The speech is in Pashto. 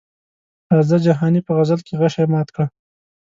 راځه جهاني په غزل کې غشي مات کړه.